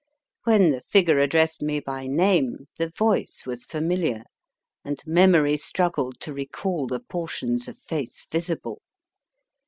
When the figure addressed me by name the voice was familiar, and memory struggled to recall the portions of face visible.